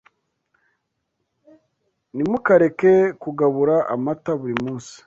Ntimukareke kugabura amata buri munsi